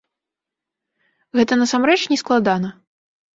Гэта насамрэч не складана.